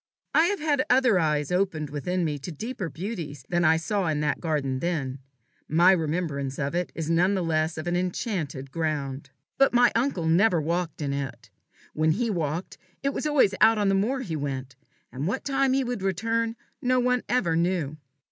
I have had other eyes opened within me to deeper beauties than I saw in that garden then; my remembrance of it is none the less of an enchanted ground. But my uncle never walked in it. When he walked, it was always out on the moor he went, and what time he would return no one ever knew.